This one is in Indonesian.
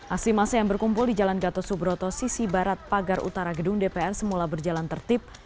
asli masa yang berkumpul di jalan gatot subroto sisi barat pagar utara gedung dpr semula berjalan tertib